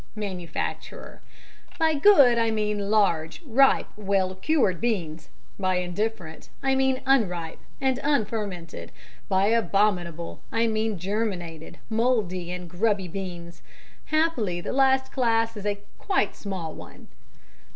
MANUFACTURER: By good I mean large, ripe, well cured beans. By indifferent I mean unripe and unfermented. By abominable I mean germinated, mouldy, and grubby beans. Happily, the last class is quite a small one.